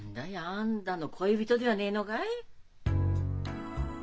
あんだの恋人ではねえのかい？